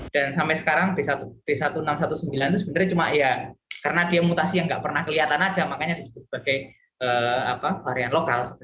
dan sampai sekarang b satu enam ratus sembilan belas itu sebenarnya cuma ya karena dia mutasi yang nggak pernah kelihatan aja makanya disebut sebagai varian lokal